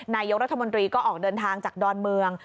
นายกรัฐมนตรีก็ออกเดินทางจากดอนเมือง